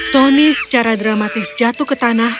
tony secara dramatis jatuh ke tanah